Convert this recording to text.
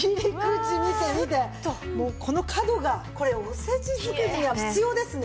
もうこの角がこれおせち作りには必要ですね。